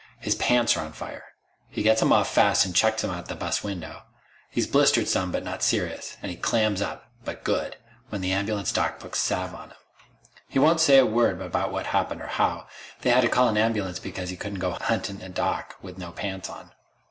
His pants are on fire. He gets 'em off fast and chucks them out the bus window. He's blistered some but not serious, and he clams up but good when the ambulance doc puts salve on him. He won't say a word about what happened or how. They hadda call a ambulance because he couldn't go huntin' a doc with no pants on."